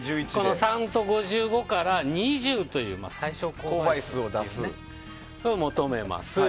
この３と５５から２０という最小公倍数を求めます。